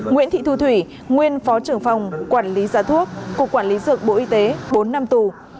nguyễn thị thu thủy nguyên phó trưởng phòng quản lý giá thuốc cục quản lý dược bộ y tế bốn năm tù